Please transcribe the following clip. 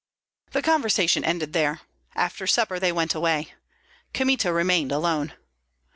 The conversation ended there. After supper they went away. Kmita remained alone.